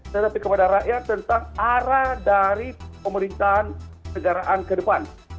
tetapi kepada rakyat tentang arah dari pemerintahan negaraan ke depan